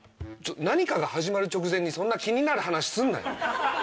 何かが始まる直前にそんな気になる話すんなよ。